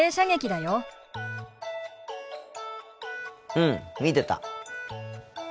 うん見てた。